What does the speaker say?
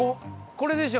これでしょ。